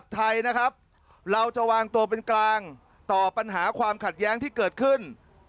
ไทยนะครับเราจะวางตัวเป็นกลางต่อปัญหาความขัดแย้งที่เกิดขึ้น